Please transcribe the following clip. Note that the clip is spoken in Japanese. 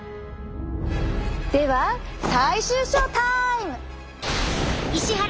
では最終ショータイム！